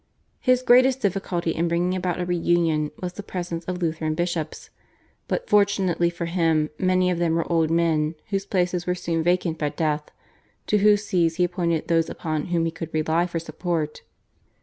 His greatest difficulty in bringing about a reunion was the presence of Lutheran bishops, but fortunately for him many of them were old men whose places were soon vacant by death, to whose Sees he appointed those upon whom he could rely for support.